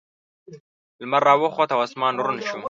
لمر راوخوت او اسمان روڼ شو.